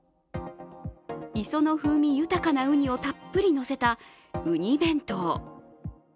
磯の風味豊かなうにをたっぷりのせた、うに弁当。